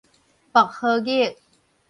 薄荷玉